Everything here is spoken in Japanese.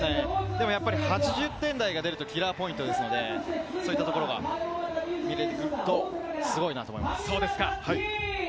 でも８０点台が出るとキラーポイントですので、そういったところが見えてくるとすごいと思います。